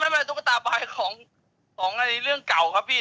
ไม่ตุ๊กตาบายของเรื่องเก่าครับพี่